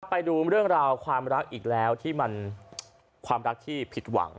ไปดูเรื่องราวความรักอีกแล้วที่มันความรักที่ผิดหวัง